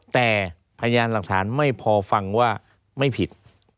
แต่พยานหลักฐานไม่พอฟังว่าไม่ผิด